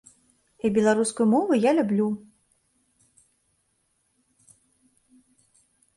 І беларускую мову я люблю.